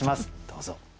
どうぞ。